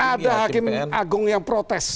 ada hakim agung yang protes